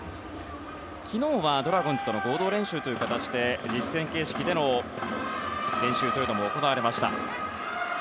昨日はドラゴンズとの合同練習という形で実戦形式での練習も行われました。